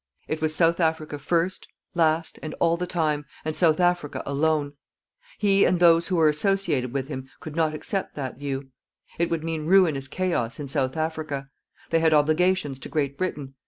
It was South Africa first, last, and all the time, and South Africa alone. He and those who were associated with him could not accept that view. It would mean ruinous chaos in South Africa. They had obligations to Great Britain.